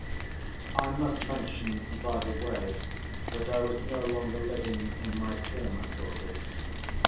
I must mention, by the way, that I was no longer living in my former quarters.